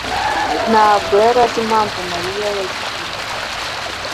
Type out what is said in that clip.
ntabwo yari azi impamvu Mariya yagiye kare.